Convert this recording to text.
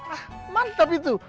ah mantap itu